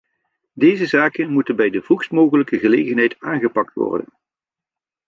Deze zaken moeten bij de vroegst mogelijke gelegenheid aangepakt worden.